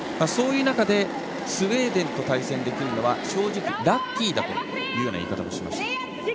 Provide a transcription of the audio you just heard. そういう中でスウェーデンと対戦できるのは正直ラッキーだという言い方をしていました。